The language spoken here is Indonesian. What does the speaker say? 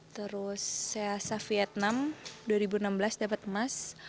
terus seasa vietnam dua ribu enam belas dapat emas